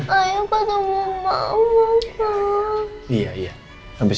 ayo ketemu mama pak